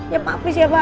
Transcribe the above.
ya pak please ya pak